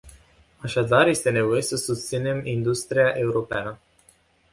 Așadar este nevoie să susținem industria europeană.